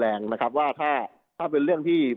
ดูระดับของความดุนแรงนะครับว่าถ้าเป็นเรื่องที่